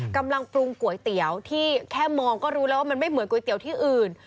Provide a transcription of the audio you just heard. กำลังปรุงก๋วยเตี๋ยวที่แค่มองก็รู้แล้วว่ามันไม่เหมือนก๋วยเตี๋ยวที่อื่น